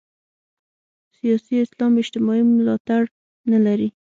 سیاسي اسلام اجتماعي ملاتړ نه لري.